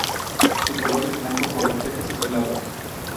Su color es blanco con reflejos azulados.